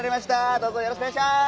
どうぞよろしくおねがいします！